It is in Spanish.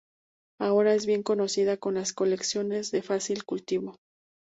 Ahora es bien conocida en las colecciones, de fácil cultivo.